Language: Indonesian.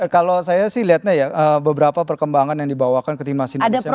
kalau saya sih lihatnya ya beberapa perkembangan yang dibawakan ketika indonesia belum pernah